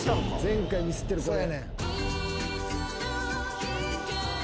前回ミスってるこれ。